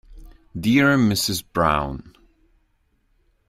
Dear Mrs Brown.